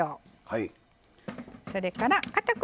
はい。